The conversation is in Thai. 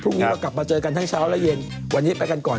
พรุ่งนี้กลับมาเจอกันเช้าเย็นเชินนี้ไปกันก่อน